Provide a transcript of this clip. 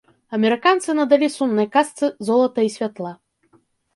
Амерыканцы надалі сумнай казцы золата і святла.